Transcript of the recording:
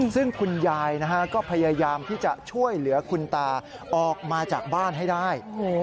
ซึ่งคุณยายก็พยายามที่จะช่วยเหลือคุณตาออกมาจากบ้านให้ได้